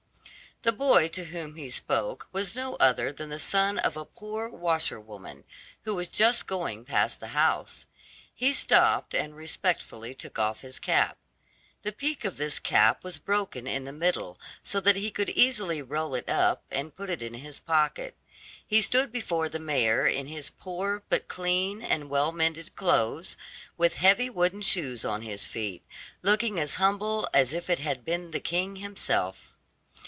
The boy to whom he spoke was no other than the son of a poor washer woman, who was just going past the house. He stopped, and respectfully took off his cap. The peak of this cap was broken in the middle, so that he could easily roll it up and put it in his pocket. He stood before the mayor in his poor but clean and well mended clothes, with heavy wooden shoes on his feet, looking as humble as if it had been the king himself.